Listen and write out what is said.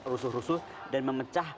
rusuh rusuh dan memecah